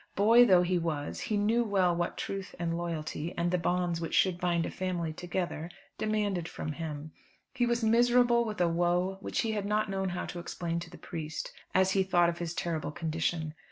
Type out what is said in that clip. Boy though he was, he knew well what truth and loyalty, and the bonds which should bind a family together, demanded from him. He was miserable with a woe which he had not known how to explain to the priest, as he thought of his terrible condition.